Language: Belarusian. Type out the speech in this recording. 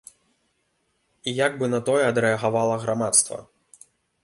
І як бы на тое адрэагавала грамадства.